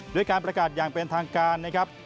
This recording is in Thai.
ด้วยการประกาศอย่างเป็นทางการนะครับ